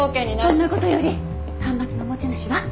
そんな事より端末の持ち主は？